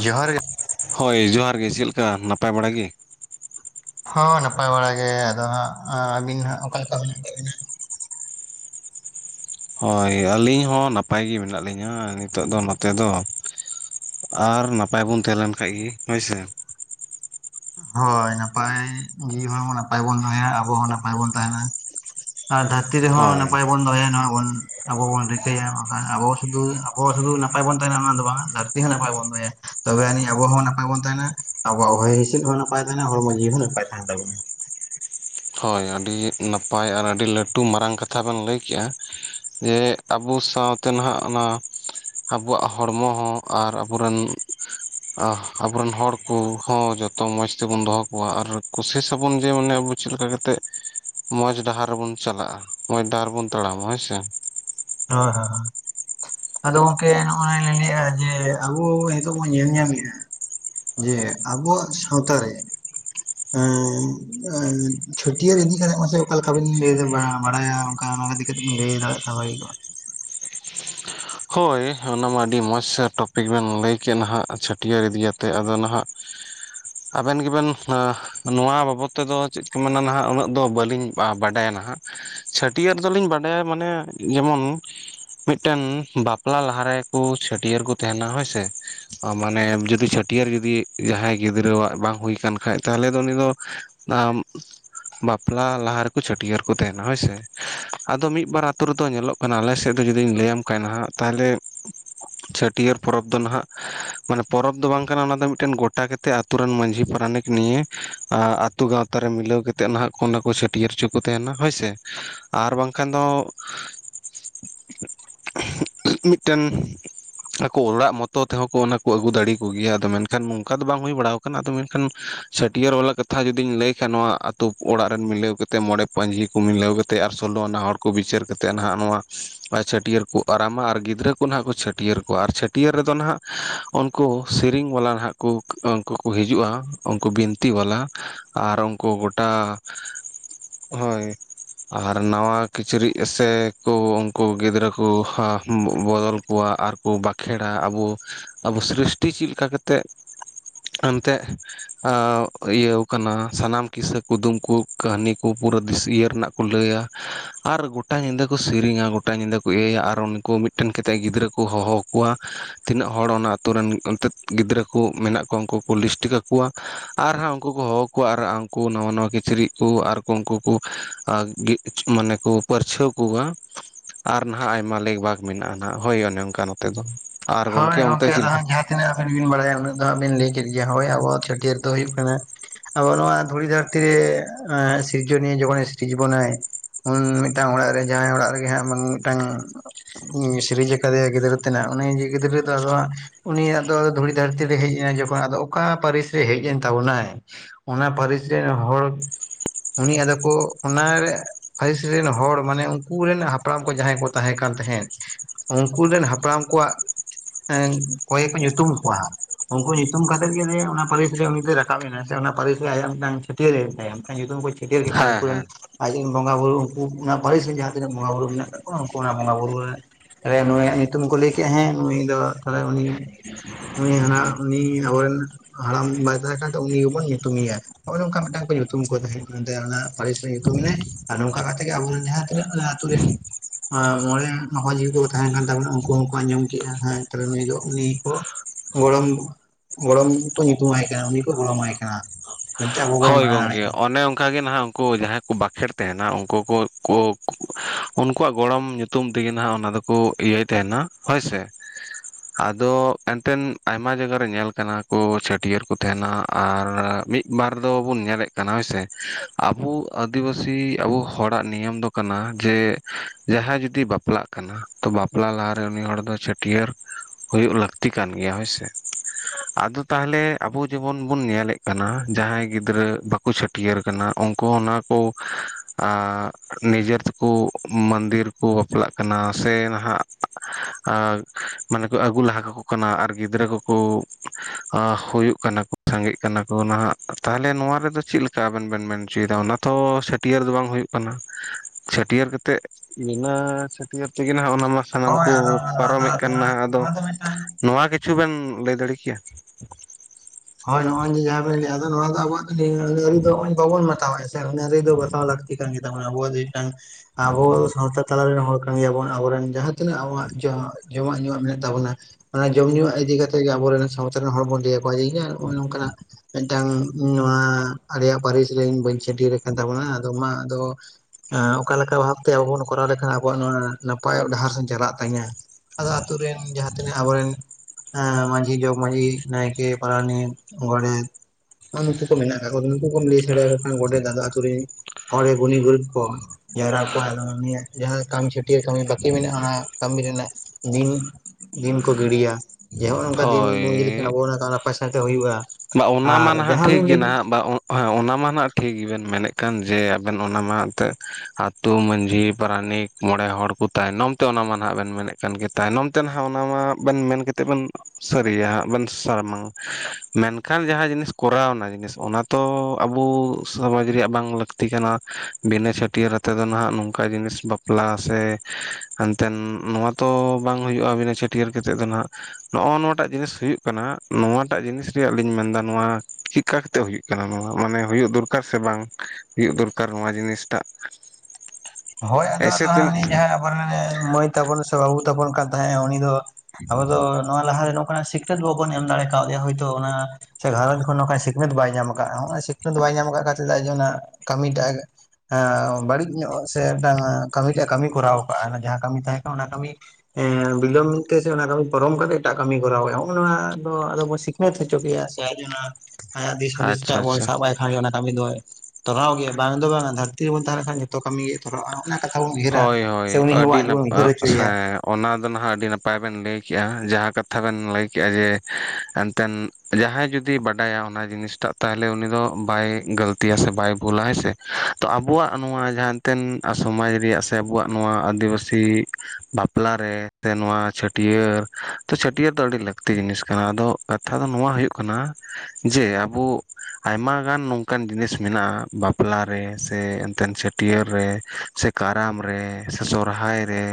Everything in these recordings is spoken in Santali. ᱡᱚᱦᱟᱨ ᱜᱮ ᱦᱳᱭ ᱡᱚᱦᱟᱨ ᱜᱮ ᱪᱮᱫ ᱞᱮᱠᱟ ᱱᱟᱯᱟᱭ ᱵᱟᱲᱟ ᱜᱮ ᱦᱚᱸ ᱱᱟᱯᱟᱭ ᱵᱟᱲᱟ ᱜᱮ ᱟᱫᱚ ᱦᱟᱸᱜ ᱟᱹᱵᱤᱱ ᱱᱟᱦᱜ ᱚᱠᱟ ᱞᱮᱠᱟ ᱢᱮᱱᱟᱜ ᱠᱟᱜ ᱵᱤᱱᱟ ᱦᱳᱭ ᱟᱹᱞᱤᱧ ᱦᱚᱸ ᱱᱟᱯᱟᱭ ᱜᱮ ᱢᱮᱱᱟᱜ ᱞᱤᱧᱟ ᱱᱤᱛᱚᱜ ᱫᱚ ᱱᱚᱛᱮ ᱫᱚ ᱟᱨ ᱱᱟᱯᱟᱭ ᱵᱚᱱ ᱛᱟᱦᱮᱸ ᱞᱮᱱ ᱠᱷᱟᱡ ᱜᱮ ᱦᱳᱭ ᱥᱮ ᱦᱳᱭ ᱱᱟᱯᱟᱭ ᱜᱮ ᱦᱚᱸ ᱱᱟᱯᱟᱭ ᱵᱚᱱ ᱛᱟᱦᱮᱸᱱᱟ ᱟᱵᱚ ᱦᱚᱸ ᱱᱟᱯᱟᱭ ᱵᱚᱱ ᱛᱟᱦᱮᱱᱟ ᱟᱨ ᱫᱷᱟᱹᱨᱛᱤ ᱨᱮᱦᱚᱸ ᱦᱳᱭ ᱱᱟᱯᱟᱭ ᱵᱚᱱ ᱫᱚᱦᱚᱭᱟ ᱱᱚᱣᱟ ᱣᱟᱞ ᱟᱵᱚ ᱵᱚᱱ ᱨᱤᱠᱟᱹᱭᱟ ᱵᱟᱝ ᱠᱷᱟᱱ ᱟᱵᱚ ᱥᱩᱫᱷᱩ ᱟᱵᱚ ᱥᱩᱫᱷᱩ ᱱᱟᱯᱟᱭ ᱵᱚᱱ ᱛᱟᱦᱮᱱᱟ ᱚᱱᱟ ᱫᱚ ᱵᱟᱝ ᱫᱷᱟᱹᱨᱛᱤ ᱦᱚᱸ ᱱᱟᱯᱟᱭ ᱵᱚᱱ ᱫᱚᱦᱚᱭᱟ ᱛᱚᱵᱮ ᱟᱹᱱᱤᱡ ᱟᱵᱚ ᱦᱚᱸ ᱱᱟᱯᱟᱭ ᱵᱚᱱ ᱛᱟᱦᱮᱱᱟ ᱟᱵᱚᱣᱟᱜ ᱦᱚᱭ ᱦᱤᱸᱥᱤᱫ ᱦᱚᱸ ᱱᱟᱯᱟᱭ ᱛᱟᱦᱮᱱᱟ ᱦᱚᱲᱢᱚ ᱡᱤᱣᱤ ᱦᱚᱸ ᱱᱟᱯᱟᱭ ᱛᱟᱦᱮᱱ ᱛᱟᱵᱚᱱᱟ ᱦᱳᱭ ᱟᱹᱰᱤ ᱱᱟᱯᱟᱭ ᱟᱨ ᱟᱹᱰᱤ ᱞᱟᱹᱴᱩ ᱢᱟᱨᱟᱝ ᱠᱟᱛᱷᱟ ᱵᱮᱱ ᱞᱟᱹᱭ ᱠᱮᱜᱼᱟ ᱡᱮ ᱟᱵᱚ ᱥᱟᱶᱛᱮ ᱱᱟᱦᱟᱜ ᱚᱱᱟ ᱟᱵᱚᱣᱟᱜ ᱦᱚᱲᱢᱚ ᱦᱚᱸ ᱟᱨ ᱟᱵᱚᱨᱮᱱ ᱟᱵᱚᱨᱮᱱ ᱦᱚᱲ ᱠᱚᱦᱚᱸ ᱡᱚᱛᱚ ᱢᱚᱸᱡᱽ ᱛᱮᱵᱚᱱ ᱫᱚᱦᱚ ᱠᱚᱣᱟ ᱟᱨ ᱠᱩᱥᱤᱥ ᱟᱵᱚᱱ ᱡᱮ ᱢᱟᱱᱮ ᱟᱵᱚ ᱪᱮᱫ ᱞᱮᱠᱟ ᱠᱟᱛᱮ ᱛᱮᱜ ᱢᱚᱸᱡᱽ ᱰᱟᱦᱟᱨ ᱨᱮᱵᱚᱱ ᱪᱟᱞᱟᱜᱼᱟ ᱢᱚᱸᱡᱽ ᱰᱟᱦᱟᱨ ᱵᱚᱱ ᱛᱟᱲᱟᱢᱟ ᱦᱳᱭ ᱥᱮ ᱦ ᱦᱮ [unintelligible] ᱟᱫᱚ ᱜᱚᱝᱠᱮ ᱱᱚᱜᱼᱚᱭ ᱞᱤᱧ ᱞᱟ. ᱭ ᱮᱟᱡᱮ ᱟᱵᱚ ᱱᱤᱛᱚᱜ ᱵᱚᱱ ᱧᱮᱞ ᱧᱟᱢᱮᱜᱼᱟ ᱾ ᱡᱮ ᱟᱵᱚᱣᱟᱜ ᱥᱟᱶᱛᱟ ᱨᱮ ᱮᱸᱻ᱾ ᱪᱷᱟᱹᱴᱭᱟᱹᱨ ᱤᱫᱤ ᱠᱟᱛᱮ ᱢᱟᱥᱮ ᱚᱠᱟ ᱞᱮᱠᱟ ᱵᱤᱱ ᱞᱟᱹᱭ ᱫᱟ ᱵᱟᱲᱟᱭᱟ ᱚᱱᱠᱟ ᱚᱱᱟ ᱤᱫᱤ ᱠᱟᱛᱮ ᱵᱤᱱ ᱞᱟᱹᱭ ᱫᱟᱲᱮᱭᱟᱜ [unintelligible] ᱠᱷᱟᱱ ᱵᱷᱟᱜᱮ ᱠᱚᱜᱼᱟ ᱦᱳᱭ ᱚᱱᱟᱢᱟ ᱟᱹᱰᱤ ᱢᱚᱡᱽ ᱥᱮ ᱴᱚᱯᱤᱠ ᱵᱮᱱ ᱞᱟᱹᱭ ᱠᱮᱫ ᱦᱟᱸᱜ ᱪᱷᱟᱹᱴᱭᱟᱹᱨ ᱤᱫᱤ ᱟᱛᱮ ᱟᱫᱚ ᱱᱟᱦᱟᱜ ᱟᱵᱮᱱ ᱜᱮᱵᱮᱱ ᱱᱚᱣᱟ ᱵᱟᱵᱚᱫ ᱛᱮᱫᱚ ᱪᱮᱫ ᱠᱚ ᱢᱮᱱᱟ ᱱᱟᱦᱟᱜ ᱩᱱᱟᱹᱜ ᱫᱚ ᱵᱟᱹᱞᱤᱧ ᱵᱟᱰᱟᱭᱟ ᱱᱟᱦᱟᱜ ᱪᱷᱟᱹᱴᱭᱟᱹᱨ ᱫᱚᱞᱤᱧ ᱵᱟᱰᱟᱭᱟ ᱢᱟᱱᱮ ᱡᱮᱢᱚᱱ ᱢᱤᱫ ᱴᱮᱱ ᱵᱟᱯᱞᱟ ᱞᱟᱦᱟ ᱨᱮᱠᱩ ᱪᱷᱟᱹᱴᱭᱟᱹᱨ ᱠᱚ ᱛᱟᱦᱮᱱᱟ ᱦᱳᱭ ᱥᱮ ᱢᱟᱱᱮ ᱡᱩᱫᱤ ᱪᱷᱟᱹᱴᱭᱟᱹᱨ ᱡᱩᱫᱤ ᱡᱟᱦᱟᱸᱭ ᱜᱤᱫᱽᱨᱟᱹᱣᱟᱜ ᱵᱟᱝ ᱦᱩᱭ ᱠᱟᱱ ᱠᱷᱟᱡ ᱛᱟᱦᱚᱞᱮ ᱫᱚ ᱩᱱᱤ ᱫᱚ [unintelligible] ᱵᱟᱯᱞᱟ ᱞᱟᱦᱟ ᱨᱮᱠᱚ ᱪᱷᱟᱹᱴᱭᱟᱹᱨ ᱠᱚ ᱛᱟᱦᱮᱱᱟ ᱦᱳᱭ ᱥᱮ ᱟᱫᱚ ᱢᱤᱫ ᱵᱟᱨ ᱟᱛᱳ ᱨᱮᱫᱚ ᱧᱮᱞᱚᱜ ᱠᱟᱱᱟ ᱚᱱᱟ ᱟᱞᱮ ᱥᱮᱫ ᱨᱮ ᱡᱩᱫᱤᱧ ᱞᱟᱹᱭᱟᱢ ᱠᱟᱱ ᱦᱟᱸᱜ ᱛᱟᱦᱚᱞᱮ ᱪᱷᱟᱹᱴᱭᱟᱹᱨ ᱯᱚᱨᱚᱵᱽ ᱫᱚ ᱱᱟᱦᱟᱜ ᱢᱟᱱᱮ ᱯᱚᱨᱚᱵᱽ ᱫᱚ ᱵᱟᱝ ᱠᱟᱱᱟ ᱚᱱᱟ ᱫᱚ ᱢᱤᱫ ᱴᱮᱱ ᱜᱚᱴᱟ ᱠᱟᱛᱮᱫ ᱟᱛᱩ ᱨᱮᱱ ᱢᱟᱺᱡᱷᱤ ᱯᱟᱨᱟᱱᱤᱠ ᱱᱤᱭᱮ ᱟᱛᱳ ᱜᱟᱶᱛᱟ ᱨᱮ ᱢᱤᱞᱟᱹᱣ ᱠᱟᱛᱮᱜ ᱱᱟᱦᱟᱜ ᱠᱚ ᱚᱱᱟ ᱠᱚ ᱪᱷᱟᱹᱴᱭᱟᱹᱨ ᱪᱚ ᱠᱚ ᱛᱟᱦᱮᱱᱟ ᱦᱳᱭ ᱥᱮ ᱟᱨ ᱵᱟᱝ ᱠᱷᱟᱱ ᱫᱚ ᱢᱤᱫ ᱴᱮᱱ ᱟᱠᱚ ᱚᱲᱟᱜ ᱢᱚᱛᱚ ᱛᱮᱦᱚᱸ ᱠᱚ ᱚᱱᱟ ᱠᱩ ᱟᱹᱜᱩ ᱫᱟᱲᱮᱭᱟ ᱠᱚ ᱜᱮᱭᱟ ᱟᱫᱚ ᱢᱮᱱ ᱠᱷᱟᱱ ᱱᱚᱝᱠᱟ ᱫᱚ ᱵᱟᱝ ᱦᱩᱭ ᱵᱟᱲᱟ ᱾ ᱟᱫᱚ ᱢᱮᱱ ᱠᱷᱟᱱ ᱪᱷᱟᱹᱴᱭᱟᱹᱨ ᱵᱟᱞᱟ ᱠᱟᱛᱷᱟ ᱡᱩᱫᱤᱧ ᱞᱟᱹᱭ ᱠᱷᱟᱱ ᱱᱚᱣᱟ ᱟᱛᱳ ᱚᱲᱟᱜ ᱨᱮᱱ ᱢᱤᱞᱟᱹᱣ ᱠᱟᱛᱮ ᱢᱚᱬᱮ ᱯᱟᱹᱧᱡᱷᱤ ᱠᱚ ᱢᱤᱞᱟᱹᱣ ᱠᱟᱛᱮ ᱟᱨ ᱥᱳᱞᱳ ᱟᱱᱟ ᱦᱚᱲ ᱠᱚ ᱵᱤᱪᱟᱹᱨ ᱠᱟᱛᱮ ᱱᱟᱦᱟᱜ ᱱᱚᱣᱟ [unintelligible] ᱪᱷᱟᱹᱴᱭᱟᱹᱨ ᱠᱚ ᱟᱨᱟᱢᱟ ᱟᱨ ᱜᱤᱫᱽᱨᱟᱹ ᱠᱚ ᱱᱟᱦᱟᱜ ᱠᱚ ᱪᱷᱟᱹᱴᱭᱟᱹᱨ ᱠᱚᱣᱟ ᱟᱨ ᱪᱷᱟᱹᱴᱭᱟᱹᱨ ᱨᱮᱫᱚ ᱱᱟᱦᱟᱜ ᱩᱱᱠᱩ ᱥᱮᱨᱮᱧ ᱵᱟᱞᱟ ᱱᱟᱦᱟᱜ ᱩᱱᱠᱩ ᱠᱚ ᱦᱤᱡᱩᱜᱼᱟ ᱩᱱᱠᱩ ᱵᱤᱱᱛᱤ ᱵᱟᱞᱟ ᱟᱨ ᱩᱱᱠᱩ ᱜᱚᱴᱟ ᱦᱳᱭ ᱟᱨ ᱱᱟᱣᱟ ᱠᱤᱪᱨᱤᱜ ᱥᱮ ᱠᱚ ᱩᱱᱠᱩ ᱜᱤᱫᱽᱨᱟᱹ ᱠᱚ ᱠᱚ ᱵᱚᱫᱚᱞ ᱠᱚᱣᱟ ᱟᱨ ᱠᱚ ᱵᱟᱸᱠᱷᱮᱲᱟ ᱟᱵᱚ ᱟᱵᱚ ᱥᱨᱤᱥᱴᱤ ᱪᱮᱫ ᱞᱮᱠᱟ ᱠᱟᱛᱮ ᱮᱱᱛᱮᱜ ᱤᱭᱟᱹᱣ ᱠᱟᱱᱟ ᱥᱟᱱᱟᱢ ᱠᱤᱥᱟᱹ ᱠᱩᱫᱩᱢ ᱠᱚ ᱠᱟᱹᱦᱱᱤ ᱠᱚ ᱯᱩᱨᱟᱹ ᱤᱭᱟᱹ ᱨᱮᱱᱟᱜ ᱞᱟᱹᱭᱟ ᱟᱨ ᱜᱚᱴᱟ ᱧᱤᱫᱟᱹ ᱠᱚ ᱥᱮᱨᱮᱧᱟ ᱜᱚᱴᱟ ᱧᱤᱫᱟᱹ ᱠᱚ ᱤᱭᱟᱹᱭᱟ ᱟᱨ ᱩᱱᱠᱩ ᱢᱤᱫ ᱴᱮᱱ ᱠᱟᱛᱮ ᱜᱤᱫᱽᱨᱟᱹ ᱠᱚ ᱦᱚᱦᱚ ᱟᱠᱚᱣᱟ ᱛᱤᱱᱟᱹᱜ ᱦᱚᱲ ᱚᱱᱟ ᱟᱛᱳ ᱨᱮᱱ ᱚᱱᱛᱮ ᱜᱤᱫᱽᱨᱟᱹ ᱠᱩ ᱢᱮᱱᱟᱜ ᱠᱚᱣᱟ ᱩᱱᱠᱩᱠᱩ ᱞᱤᱥᱴ ᱠᱟᱠᱚᱣᱟ ᱟᱨᱦᱟᱸᱜ ᱩᱱᱠᱩ ᱠᱚ ᱦᱚᱦᱚ ᱟᱠᱚᱣᱟ ᱟᱨ ᱩᱱᱠᱩ ᱱᱟᱣᱟ ᱱᱟᱣᱟ ᱠᱤᱪᱨᱤᱡ ᱟᱨᱠᱚ ᱩᱱᱠᱩ ᱠᱚ ᱢᱟᱱᱮ ᱠᱚ ᱯᱟᱹᱨᱪᱷᱟᱹᱣ ᱠᱚᱣᱟ ᱾ ᱟᱨ ᱱᱟᱦᱟᱜ ᱟᱭᱢᱟ ᱞᱮᱠᱵᱟᱜᱽ ᱢᱮᱱᱟᱜᱼᱟ ᱱᱟᱦᱟᱜ ᱦᱳᱭ ᱚᱱᱮ ᱚᱱᱠᱟ ᱱᱚᱛᱮ ᱫᱚ ᱟᱨ ᱜᱚᱝᱠᱮ ᱦᱳᱭ ᱚᱱᱛᱮ ᱪᱮᱫ ᱟᱫᱚ ᱞᱮᱠᱟ ᱦᱟᱸᱜ ᱡᱟᱦᱟᱸ ᱛᱤᱱᱟᱹᱜ ᱟᱹᱵᱤᱱ ᱵᱤᱱ ᱵᱟᱲᱟᱭᱟ ᱩᱱᱟᱹᱜ ᱫᱚ ᱦᱟᱸᱜ ᱵᱤᱱ ᱞᱟᱹᱭ ᱠᱮᱜ ᱜᱮᱭᱟ ᱦᱳᱭ ᱟᱵᱚᱣᱟᱜ ᱪᱷᱟᱹᱴᱭᱟᱹᱨ ᱫᱚ ᱦᱩᱭᱩᱜ ᱠᱟᱱᱟ ᱾ ᱟᱵᱚ ᱱᱚᱣᱟ ᱫᱷᱩᱲᱤ ᱫᱷᱟᱹᱨᱛᱤ ᱨᱮ ᱥᱤᱨᱡᱚᱱᱤᱭᱟᱹ ᱡᱚᱠᱷᱚᱱᱮ ᱥᱤᱨᱤᱡ ᱵᱚᱱᱟᱭ ᱩᱱ ᱢᱤᱫ ᱴᱟᱝ ᱚᱲᱟᱜ ᱨᱮ ᱡᱟᱦᱟᱸᱭ ᱚᱲᱟᱜ ᱨᱮᱜᱮ ᱦᱟᱸᱜ ᱵᱟᱝ ᱢᱤᱫ ᱴᱟᱝ ᱥᱤᱨᱤᱡ ᱟᱠᱟᱫᱮᱭᱟ ᱜᱤᱫᱽᱨᱟᱹ ᱛᱮᱱᱟᱜ ᱩᱱᱤ ᱜᱤᱫᱽᱨᱟᱹ ᱫᱚ ᱟᱫᱚ ᱩᱱᱤ ᱟᱫᱚ ᱫᱷᱩᱲᱤ ᱫᱷᱟᱹᱨᱛᱤ ᱨᱮ ᱦᱮᱡ ᱮᱱᱟᱭ ᱡᱚᱠᱷᱚᱱ ᱟᱫᱚ ᱚᱠᱟ ᱯᱟᱹᱨᱤᱥ ᱨᱮ ᱦᱮᱡ ᱮᱱ ᱛᱟᱵᱚᱱᱟᱭ ᱚᱱᱟ ᱯᱟᱹᱨᱤᱥ ᱨᱮᱱ ᱦᱚᱲ ᱩᱱᱤ ᱟᱫᱚ ᱠᱚ ᱚᱱᱟ ᱯᱟᱹᱨᱤᱥ ᱨᱮᱱ ᱦᱚᱲ ᱢᱟᱱᱮ ᱩᱱᱠᱩ ᱨᱮᱱ ᱦᱟᱯᱲᱟᱢ ᱠᱚ ᱡᱟᱦᱟᱸᱭ ᱠᱚ ᱛᱟᱦᱮᱸ ᱠᱟᱱ ᱛᱟᱦᱮᱸᱫ ᱩᱱᱠᱩ ᱨᱮᱱ ᱦᱟᱯᱲᱟᱢ ᱠᱚᱣᱟᱜ ᱚᱠᱚᱭ ᱠᱚ ᱧᱩᱛᱩᱢ ᱠᱚᱣᱟ ᱩᱱᱠᱩ ᱧᱩᱛᱩᱢ ᱠᱟᱛᱮ ᱜᱮ ᱚᱱᱟ ᱯᱟᱹᱨᱤᱥ ᱨᱮ ᱩᱱᱤᱫᱚᱭ ᱨᱟᱠᱟᱵ ᱮᱱᱟ ᱥᱮ ᱚᱱᱟ ᱯᱟᱹᱨᱤᱥ ᱨᱮ ᱟᱭᱟᱜ ᱢᱤᱫ ᱴᱟᱝ ᱪᱷᱟᱹᱴᱭᱟᱹᱨ ᱮᱱ ᱛᱟᱭᱟ ᱢᱤᱫ ᱴᱟᱝ ᱧᱩᱛᱩᱢ ᱠᱚ ᱪᱷᱟᱹᱴᱭᱟᱹᱨ ᱜᱮᱪᱮ ᱦᱮᱸ ᱩᱱᱠᱩ ᱦᱮᱸ ᱨᱮᱱ ᱟᱡ ᱨᱮᱱ ᱵᱚᱸᱜᱟ ᱵᱩᱨᱩ ᱩᱱᱠᱩ ᱱᱟᱜ ᱯᱟᱹᱨᱤᱥ ᱨᱮᱱ ᱡᱟᱦᱟᱸ ᱛᱤᱱᱟᱹᱜ ᱵᱚᱸᱜᱟ ᱵᱩᱨᱩ ᱢᱮᱱᱟᱜ ᱠᱟᱜ ᱠᱚᱣᱟ ᱩᱱᱠᱩ ᱱᱟᱜ ᱵᱚᱸᱜᱟ ᱵᱩᱨᱩ ᱨᱮ ᱨᱮ ᱱᱩᱭᱟᱜ ᱧᱩᱛᱩᱢ ᱠᱚ ᱞᱮᱭ ᱠᱮᱜᱼᱟ ᱦᱮᱸ ᱱᱩᱭ ᱫᱚ ᱛᱟᱦᱚᱞᱮ ᱩᱱᱤ ᱩᱱᱤ ᱦᱟᱱᱟ ᱩᱱᱤ ᱟᱵᱚᱨᱮᱱ ᱦᱟᱲᱟᱢ ᱵᱟ ᱛᱟᱦᱮ ᱠᱟᱱ ᱫᱚ ᱩᱱᱤ ᱜᱮᱵᱚᱱ ᱧᱩᱛᱩᱢ ᱮᱭᱟ ᱦᱚᱜᱼᱚᱭ ᱚᱝᱠᱟ ᱢᱮᱜᱴᱟᱝ ᱠᱚ ᱧᱩᱛᱩᱢ ᱠᱚ ᱛᱟᱦᱮᱸ ᱠᱟᱱᱛᱮ ᱚᱱᱟ ᱯᱟᱹᱨᱤᱥ ᱨᱮ ᱧᱩᱛᱩᱢ ᱮᱱᱟᱭ ᱟᱨ ᱱᱚᱝᱠᱟ ᱠᱟᱛᱮ ᱜᱮ ᱟᱵᱚᱨᱮᱱ ᱡᱟᱦᱟᱸ ᱛᱤᱱᱟᱹᱜ ᱟᱛᱩ ᱨᱮᱱ ᱟᱸ ᱢᱚᱬᱮ ᱢᱟᱯᱟᱹᱡᱷᱤ ᱠᱚᱠᱚ ᱛᱟᱦᱮᱱ ᱠᱟᱱ ᱛᱟᱵᱚᱱᱟ ᱩᱱᱠᱩ ᱦᱚᱸᱠᱩ ᱟᱸᱡᱚᱢ ᱠᱮᱜ-ᱟ ᱦᱚᱭ ᱛᱟᱦᱚᱞᱮ ᱱᱩᱭ ᱫᱚ ᱩᱱᱤ ᱠᱚ ᱜᱚᱲᱚᱢ-ᱜᱚᱲᱚᱢ ᱠᱚ ᱧᱩᱛᱩᱢ ᱟᱭ ᱠᱟᱱᱟ ᱩᱱᱤ ᱠᱚ ᱜᱚᱲᱚᱢᱟᱭ ᱠᱟᱱᱟ ᱢᱮᱱᱛᱮ ᱟᱵᱚ ᱵᱚᱱ ᱦᱚᱭ ᱵᱟᱲᱟᱭ ᱜᱚᱝᱠᱮ ᱫᱟᱲᱮᱭᱟᱜᱼᱟ ᱚᱱᱮ ᱚᱱᱠᱟ ᱜᱮ ᱱᱟᱦᱟᱜ ᱠᱚ ᱡᱟᱦᱟᱸᱭ ᱠᱚ ᱵᱟᱹᱠᱷᱮᱲ ᱛᱮᱦᱮᱱᱟ ᱩᱱᱠᱩ ᱠᱚ ᱠᱚᱠ ᱩᱱᱠᱩᱣᱟᱜ ᱜᱚᱲᱚᱢ ᱧᱩᱛᱩᱢ ᱧᱩᱛᱩᱢ ᱛᱮᱜᱤ ᱱᱟᱜ ᱚᱱᱟ ᱫᱚᱠᱚ ᱤᱭᱟᱹᱭ ᱛᱮᱦᱮᱱᱟ ᱦᱚᱭᱥᱮ ᱟᱫᱚ ᱮᱱᱛᱮᱸ ᱟᱭᱢᱟ ᱡᱟᱜᱟ ᱨᱮ ᱧᱮᱞ ᱠᱟᱱᱟ ᱠᱚ ᱪᱷᱟᱹᱴᱭᱟᱹᱨ ᱠᱚ ᱛᱟᱦᱮᱱᱟ᱾ ᱟᱨ ᱢᱤᱫ ᱵᱟᱨ ᱫᱚᱵᱚᱱ ᱧᱮᱞᱮᱜ ᱠᱟᱱᱟ ᱦᱚᱭᱥᱮ ᱟᱵᱚ ᱟᱹᱫᱤᱵᱟᱹᱥᱤ ᱟᱵᱚ ᱦᱚᱲᱟᱜ ᱱᱤᱭᱚᱢ ᱫᱚ ᱠᱟᱱᱟ ᱡᱮ ᱡᱟᱦᱟᱸᱭ ᱡᱩᱫᱤ ᱵᱟᱯᱞᱟᱜ ᱠᱟᱱᱟ ᱛᱚ ᱵᱟᱯᱞᱟ ᱞᱟᱦᱟᱨᱮ ᱩᱱᱤ ᱦᱚᱲ ᱫᱚ ᱪᱷᱟᱹᱴᱭᱟᱹᱨ ᱦᱩᱭᱩᱜ ᱞᱟᱹᱠᱛᱤ ᱠᱟᱱ ᱜᱮᱭᱟ ᱦᱚᱭᱥᱮ ᱟᱫᱚ ᱛᱟᱦᱚᱞᱮ ᱟᱵᱚ ᱡᱮᱢᱚᱱ ᱵᱚᱱ ᱧᱮᱞᱮᱜ ᱠᱟᱱᱟ ᱡᱟᱦᱟᱸᱭ ᱜᱤᱫᱽᱨᱟᱹ ᱵᱟᱠᱚ ᱪᱷᱟᱹᱴᱭᱟᱹᱨ ᱠᱟᱱᱟ ᱩᱱᱠᱩ ᱚᱱᱟ ᱠᱚ ᱟᱸ ᱱᱤᱡᱮᱨ ᱛᱮᱠᱚ ᱢᱚᱱᱫᱤᱨ ᱠᱚ ᱵᱟᱯᱞᱟᱜ ᱠᱟᱱᱟ ᱥᱮ ᱱᱟᱦᱟᱜ ᱟᱸ ᱢᱟᱱᱮ ᱠᱚ ᱟᱹᱜᱩ ᱞᱟᱦᱟ ᱠᱟᱠᱚ ᱠᱟᱱᱟ ᱟᱨ ᱜᱤᱫᱽᱨᱟᱹ ᱠᱚᱠᱚ ᱦᱩᱭᱩᱜ ᱠᱟᱱᱟ ᱠᱚ ᱥᱟᱸᱜᱮᱜ ᱠᱟᱱᱟ ᱠᱚ ᱱᱟᱦᱟᱜ ᱛᱟᱦᱚᱞᱮ ᱱᱚᱣᱟ ᱨᱮᱫᱚ ᱪᱮᱜ ᱞᱮᱠᱟ ᱵᱮᱱ, ᱵᱮᱱ ᱢᱮᱱᱪᱚᱭᱮᱫᱟ ᱚᱱᱟ ᱛᱚ ᱪᱷᱟᱹᱴᱭᱟᱹᱨ ᱫᱚ ᱵᱟᱝ ᱦᱩᱭᱩᱜ ᱠᱟᱱᱟ ᱪᱷᱟᱹᱴᱭᱟᱹᱨ ᱠᱟᱛᱮᱜ ᱢᱤᱜᱢᱟᱥ ᱪᱷᱟᱹᱴᱭᱟᱹᱨ ᱛᱮᱜᱮ ᱱᱟᱦᱟᱜ ᱚᱱᱟ ᱢᱟᱥ ᱥᱟᱱᱟᱢ ᱦᱳᱭ ᱠᱚ ᱟᱫᱚ ᱱᱚᱣᱟ ᱫᱚ ᱯᱟᱨᱚᱢᱮᱜ ᱟᱫᱚ ᱠᱟᱱ ᱱᱟᱦᱟᱜ ᱟᱫᱚ ᱱᱚᱣᱟ ᱫᱚ ᱢᱤᱫᱴᱟᱝ ᱱᱚᱣᱟ ᱠᱤᱪᱷᱩ ᱵᱮᱱ ᱞᱮᱭ ᱫᱟᱲᱮ ᱠᱮᱭᱟ᱾ ᱦᱚᱭ ᱱᱚᱜᱼᱚᱭ ᱡᱮ ᱡᱟᱦᱟᱸᱵᱮᱱ ᱞᱮᱭᱫᱚ ᱱᱚᱣᱟ ᱫᱚ ᱟᱵᱚᱣᱟᱜ ᱨᱤ ᱫᱚᱭ ᱵᱟᱵᱚᱱ ᱵᱟᱛᱟᱣᱟ ᱦᱮᱸ ᱥᱮ ᱚᱱᱟ ᱟᱹᱨᱤ ᱫᱚ ᱵᱟᱛᱟᱣ ᱞᱟᱠᱛᱤ ᱠᱟᱱ ᱜᱮ ᱛᱟᱵᱚᱱᱟ ᱟᱵᱚᱣᱟᱜ ᱡᱮ ᱢᱤᱫᱴᱟᱹᱝ ᱟᱵᱚ ᱥᱟᱶᱛᱟ ᱛᱟᱞᱟᱨᱮᱱ ᱦᱚᱲ ᱠᱟᱱ ᱜᱮᱭᱟᱵᱚᱱ ᱟᱵᱚᱨᱮᱱ ᱡᱟᱦᱟᱸ ᱛᱤᱱᱟᱹᱜ ᱟᱵᱚᱭᱟᱜ ᱡᱚᱢᱟᱜ, ᱡᱚᱢᱟᱜ ᱧᱩᱣᱟᱜ ᱢᱮᱱᱟᱜ ᱛᱟᱵᱚᱱᱟ ᱡᱚᱢ ᱧᱩ ᱤᱫᱤ ᱠᱟᱛᱮᱜ ᱜᱮ ᱟᱵᱚᱨᱮᱱ ᱥᱟᱶᱛᱟ ᱨᱮᱱ ᱦᱚᱲ ᱵᱚᱱ ᱞᱟᱹᱭ ᱟᱠᱚᱣᱟ ᱡᱮ ᱡᱮ ᱱᱚᱜ-ᱚᱭ ᱱᱚᱝᱠᱟᱱᱟᱜ ᱢᱤᱫᱴᱟᱝ ᱱᱚᱣᱟ ᱟᱞᱮᱭᱟᱜ ᱯᱟᱹᱨᱤᱥ ᱨᱮᱱ ᱵᱟᱹᱧ ᱪᱷᱟᱹᱴᱭᱟᱹᱨ ᱟᱠᱟᱱ ᱛᱟᱵᱚᱱᱟ ᱟᱫᱚ ᱢᱟ ᱟᱫᱚ ᱚᱠᱟᱞᱮᱠᱟ ᱵᱷᱟᱵᱛᱮ ᱟᱵᱚ ᱵᱚᱱ ᱠᱚᱨᱟᱣ ᱞᱮᱠᱷᱟᱱ ᱟᱵᱚᱣᱟᱜ ᱱᱚᱣᱟ ᱱᱟᱯᱟᱭᱼᱚᱜ ᱰᱟᱦᱟᱨ ᱥᱮᱧ ᱪᱟᱞᱟᱜ ᱛᱟᱸᱧᱟᱹ ᱟᱫᱚ ᱟᱛᱩᱨᱮᱱ ᱡᱟᱦᱟᱸᱛᱤᱱᱟᱹᱜ ᱟᱵᱚᱨᱮᱱ ᱢᱟᱺᱡᱷᱤ ᱡᱚᱜᱽᱢᱟᱺᱡᱷᱤ ᱱᱟᱭᱠᱮ ᱯᱟᱨᱟᱱᱤᱠ ᱜᱚᱰᱮᱛᱽ ᱱᱚᱜ ᱱᱩᱠᱩ ᱠᱚ ᱢᱮᱱᱟᱜ ᱠᱟᱜ ᱠᱚᱫᱚ ᱱᱩᱠᱩ ᱠᱚᱢ ᱞᱮᱭ ᱥᱟᱲᱮᱭᱟᱠᱚ ᱠᱷᱟᱱ ᱜᱚᱰᱮᱛ ᱟᱫᱚ ᱟᱛᱩᱨᱮᱱ ᱦᱚᱲᱮ ᱜᱩᱱᱤ ᱜᱩᱨᱤᱯ ᱠᱚᱣᱟ ᱡᱟᱣᱨᱟ ᱠᱚᱣᱟᱭ ᱟᱫᱚ ᱩᱱᱤᱭᱟᱜ ᱡᱟᱦᱟᱸ ᱠᱟᱹᱢᱤ ᱪᱷᱟᱹᱴᱭᱟᱹᱨ ᱠᱟᱹᱢᱤ ᱵᱟᱹᱠᱤ ᱢᱮᱱᱟᱜᱼᱟ ᱚᱱᱟ ᱠᱟᱹᱢᱤ ᱨᱮᱱᱟᱜ ᱫᱤᱱ ᱫᱤᱱ ᱠᱚ ᱜᱤᱲᱤᱭᱟ ᱡᱮ ᱱᱚᱜᱼᱚᱭ ᱱᱚᱝᱠᱟ ᱫᱤᱱ ᱵᱚᱱ ᱤᱭᱟ ᱦᱳᱭ ᱞᱮᱠᱷᱟᱱ ᱟᱵᱚᱭᱟᱜ ᱱᱟᱜᱟᱢ ᱱᱟᱯᱟᱭ ᱥᱚᱣᱛᱮ ᱦᱩᱭᱩᱜᱼᱟ᱾ ᱵᱟ ᱚᱱᱟ ᱢᱟ ᱟᱨ ᱱᱟᱦᱟᱜ ᱡᱟᱦᱟᱸ ᱴᱷᱤᱠ ᱵᱤᱱ ᱜᱮᱭᱟ ᱞᱟᱹᱭ ᱱᱟᱦᱟᱜ ᱵᱟ ᱦᱮᱸ ᱚᱱᱟ ᱢᱟ ᱱᱟᱜ ᱴᱷᱤᱠ ᱜᱤᱵᱮᱱ ᱢᱮᱱᱮᱜ ᱠᱟᱱ ᱡᱮ ᱟᱵᱮᱱ ᱚᱱᱟ ᱢᱟ ᱮᱱᱛᱮᱜ ᱟᱛᱩ ᱢᱟᱺᱡᱷᱤ ᱯᱟᱨᱟᱱᱤᱠ ᱢᱚᱬᱮ ᱦᱚᱲ ᱠᱚ ᱛᱟᱭᱱᱚᱢ ᱛᱮ ᱚᱱᱟ ᱢᱟ ᱱᱟᱦᱟᱜ ᱵᱮᱱ ᱢᱮᱱᱮᱜ ᱠᱟᱱ ᱜᱮ ᱛᱟᱭᱱᱚᱢ ᱛᱮ ᱱᱟᱦᱟᱜ ᱚᱱᱟ ᱢᱟ ᱵᱮᱱ ᱢᱮᱱ ᱠᱮᱛᱮᱜ ᱵᱮᱱ ᱥᱟᱹᱨᱤᱭᱟ ᱦᱟᱸᱜ ᱵᱮᱱ ᱥᱟᱢᱟᱝ ᱢᱮᱱᱠᱷᱟᱱ ᱡᱟᱦᱟᱸ ᱡᱤᱱᱤᱥ ᱠᱚᱨᱟᱣᱱᱟ ᱡᱤᱱᱤᱥ ᱚᱱᱟ ᱛᱚ ᱟᱵᱚ ᱥᱚᱢᱟᱡᱽ ᱨᱮᱭᱟᱜ ᱵᱟᱝ ᱞᱟᱹᱠᱛᱤ ᱠᱟᱱᱟ᱾ ᱵᱤᱱᱟᱹ ᱪᱷᱟᱹᱴᱤᱭᱟᱹᱨ ᱟᱛᱮᱜ ᱫᱚ ᱱᱟᱦᱟᱜ ᱱᱚᱝᱠᱟ ᱡᱤᱱᱤᱥ ᱵᱟᱯᱞᱟ ᱥᱮ ᱮᱱᱛᱮᱱ ᱱᱚᱣᱟ ᱛᱚ ᱵᱟᱝ ᱦᱩᱭᱩᱜᱼᱟ ᱵᱤᱱᱟ ᱪᱷᱟᱹᱴᱤᱭᱟᱹᱨ ᱠᱟᱛᱮᱜ ᱫᱚ ᱱᱟᱦᱟᱜ ᱱᱚᱜᱼᱚ ᱱᱚᱣᱟᱴᱟᱜ ᱡᱤᱱᱤᱥ ᱦᱩᱭᱩᱜ ᱠᱟᱱᱟ ᱱᱚᱣᱟᱴᱟᱜ ᱡᱤᱱᱤᱥ ᱨᱮᱭᱟᱜ ᱞᱤᱧ ᱢᱮᱱᱫᱟ ᱱᱚᱣᱟ ᱪᱮᱜᱠᱟ ᱠᱟᱛᱮᱜ ᱦᱩᱭᱩᱜ ᱠᱟᱱᱟ ᱱᱚᱣᱟ ᱢᱟᱱᱮ ᱦᱩᱭᱩᱜ ᱫᱚᱨᱠᱟᱨ ᱥᱮ ᱵᱟᱝ ᱦᱩᱭᱩᱜ ᱫᱚᱨᱠᱟᱨ ᱱᱚᱣᱟ ᱡᱤᱱᱤᱥᱴᱟᱜ ᱦᱳᱭ ᱟᱫᱚ ᱫᱚ ᱦᱟᱸᱜ ᱮᱭᱥᱮᱛᱮᱢ ᱩᱱᱤ ᱡᱟᱦᱟᱸᱭ ᱟᱵᱚᱨᱮᱱ ᱢᱟᱹᱭ ᱛᱟᱵᱚᱱ ᱥᱮ ᱵᱟᱹᱵᱩ ᱛᱟᱵᱚᱱ ᱠᱟᱱ ᱛᱟᱦᱮᱸᱜ ᱮᱸ ᱩᱱᱤ ᱫᱚ ᱟᱵᱚ ᱫᱚ ᱱᱚᱣᱟ ᱞᱟᱦᱟᱨᱮ ᱱᱚᱝᱠᱟᱱᱟᱜ ᱥᱤᱠᱷᱱᱟᱹᱛ ᱵᱟᱵᱚᱱ ᱮᱢ ᱫᱟᱲᱮ ᱠᱟᱣᱫᱮᱭᱟ ᱦᱳᱭᱛᱳ ᱚᱱᱟ ᱥᱮ ᱜᱷᱟᱨᱚᱸᱡᱽ ᱠᱷᱚᱱ ᱱᱚᱝ ᱠᱟ ᱥᱤᱠᱷᱱᱟᱹᱛ ᱵᱟᱭ ᱥᱤᱠᱷᱱᱟᱹᱛ [inaudible] [unintelligible] ᱦᱮ ᱵᱟᱹᱲᱤᱡ ᱧᱚᱜ ᱥᱮ ᱢᱤᱫᱴᱟᱝ ᱠᱟᱹᱢᱤ ᱨᱮᱭᱟᱜ ᱠᱟᱹᱢᱤ ᱠᱚᱨᱟᱣ ᱠᱟᱜᱼᱟ ᱡᱟᱦᱟᱸ ᱠᱟᱹᱢᱤ ᱛᱟᱦᱮᱸ ᱠᱟᱱᱟ ᱚᱱᱟ ᱠᱟᱹᱢᱤ ᱵᱤᱞᱚᱢ ᱛᱮ ᱥᱮ ᱚᱱᱟ ᱠᱟᱹᱢᱤ ᱯᱟᱨᱚᱢ ᱠᱟᱛᱮᱜ ᱮᱴᱟᱜ ᱠᱟᱹᱢᱤ ᱠᱚᱨᱟᱣᱼᱟ ᱚᱱᱚᱣᱟ ᱫᱚ ᱦᱚᱪᱚ ᱜᱮᱭᱟ [unintelligible] ᱟᱭᱟᱜ ᱫᱤᱥ ᱦᱩᱫᱤᱥ ᱴᱟᱜ ᱟᱪᱪᱷᱟ ᱵᱚᱱ ᱟᱪᱪᱷᱟ ᱥᱟᱵᱟᱭ ᱠᱷᱟᱱ ᱜᱮ ᱚᱱᱟ ᱠᱟᱹᱢᱤ ᱫᱚ ᱛᱚᱨᱟᱣ ᱜᱮ ᱵᱟᱝ ᱫᱚ ᱵᱟᱝᱟ ᱫᱷᱟᱹᱨᱛᱤ ᱨᱮᱵᱚᱱ ᱛᱟᱦᱮᱸ ᱞᱮᱱ ᱠᱷᱟᱱ ᱠᱟᱹᱢᱤᱭᱮ ᱛᱚᱨᱚᱜᱼᱟ ᱚᱱᱟ ᱠᱟᱛᱷᱟ ᱵᱚᱱ ᱩᱭᱦᱟᱹᱨᱟ ᱦᱳᱭ ᱥᱮ ᱦᱳᱭ ᱩᱱᱤ ᱦᱚᱣᱟᱜ ᱟᱹᱰᱤ ᱟᱡᱤᱡ ᱱᱟᱯ ᱵᱚᱱ ᱩᱭᱦᱟᱹᱨ ᱦᱚᱪᱚᱮᱭᱟ ᱦᱮᱸ ᱚᱱᱟ ᱫᱚ ᱱᱟᱦᱟᱜ ᱟᱹᱰᱤ ᱱᱟᱯᱟᱭ ᱵᱮᱱ ᱞᱟᱹᱭ ᱠᱮᱜᱼᱟ ᱡᱟᱦᱟᱸ ᱠᱟᱛᱷᱟ ᱵᱮᱱ ᱞᱟᱹᱭ ᱠᱮᱜᱼᱟ ᱡᱮ ᱮᱱᱛᱮᱱ ᱡᱟᱦᱟᱸᱭ ᱡᱩᱫᱤ ᱵᱟᱰᱟᱭᱟ ᱚᱱᱟ ᱡᱤᱱᱤᱥᱴᱟᱜ ᱛᱟᱦᱚᱞᱮ ᱩᱱᱤ ᱫᱚ ᱵᱟᱭ ᱜᱟᱹᱞᱛᱤᱭᱟ ᱥᱮ ᱵᱟᱭ ᱵᱷᱩᱞᱟ ᱦᱮᱸ ᱥᱮ ᱛᱚ ᱟᱵᱚᱣᱟᱜ ᱱᱚᱣᱟ ᱡᱟᱦᱟᱸᱛᱮᱱ ᱥᱚᱢᱟᱡ ᱨᱮᱭᱟᱜ ᱥᱮ ᱟᱵᱚᱣᱟᱜ ᱱᱚᱣᱟ ᱟᱹᱫᱤᱵᱟᱹᱥᱤ ᱵᱟᱯᱞᱟ ᱨᱮ ᱥᱮ ᱱᱚᱣᱟ ᱪᱷᱟᱹᱴᱭᱟᱹᱨ ᱛᱚ ᱪᱷᱟᱹᱴᱤᱭᱟᱹᱨ ᱫᱚ ᱟᱹᱰᱤ ᱞᱟᱹᱠᱛᱤ ᱡᱤᱱᱤᱥ ᱠᱟᱱᱟ ᱟᱫᱚ ᱠᱟᱛᱷᱟ ᱫᱚ ᱱᱚᱣᱟ ᱦᱩᱭᱩᱜ ᱠᱟᱱᱟ ᱡᱮ ᱟᱵᱚ ᱟᱭᱢᱟ ᱜᱟᱱ ᱱᱚᱝᱠᱟᱱ ᱡᱤᱱᱤᱥ ᱢᱮᱱᱟᱜᱼᱟ ᱵᱟᱯᱞᱟ ᱨᱮ ᱥᱮ ᱮᱱᱛᱮᱱ ᱪᱷᱟᱹᱴᱤᱭᱟᱹᱨ ᱨᱮ ᱥᱮ ᱠᱟᱨᱟᱢ ᱨᱮ ᱥᱮ ᱥᱚᱨᱚᱦᱟᱭ ᱨᱮ